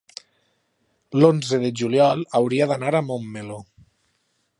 l'onze de juliol hauria d'anar a Montmeló.